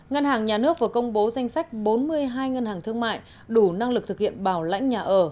ngân hàng nhà nước vừa công bố danh sách bốn mươi hai ngân hàng thương mại đủ năng lực thực hiện bảo lãnh nhà ở